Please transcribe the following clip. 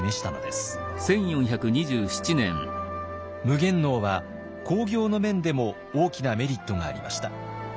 夢幻能は興業の面でも大きなメリットがありました。